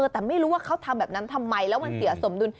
แต่ไม่รู้ว่าเขาทำแบบนั้นทำไมแล้วมันเสียสมดุล